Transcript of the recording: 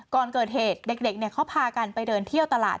ก่อนเกิดเหตุเด็กเขาพากันไปเดินเที่ยวตลาด